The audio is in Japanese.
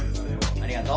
ありがとう。